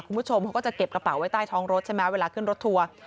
คุณผู้ชมเขาก็จะเก็บกระเป๋าไว้ใต้ท้องรถใช่ไหมเวลาขึ้นรถทัวร์